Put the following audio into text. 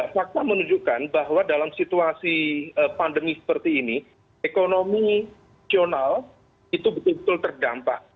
fakta menunjukkan bahwa dalam situasi pandemi seperti ini ekonomi nasional itu betul betul terdampak